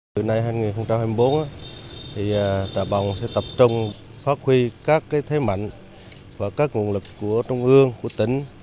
từ nay hai nghìn hai mươi bốn trà bồng sẽ tập trung phát huy các thế mạnh và các nguồn lực của trung ương của tỉnh